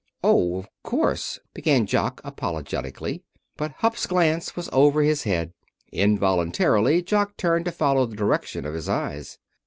"Oh, of course," began Jock, apologetically. But Hupp's glance was over his head. Involuntarily Jock turned to follow the direction of his eyes.